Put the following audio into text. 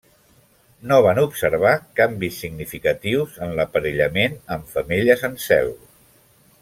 No van observar canvis significatius en l'aparellament amb femelles en zel.